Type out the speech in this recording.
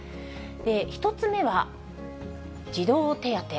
１つ目は、児童手当。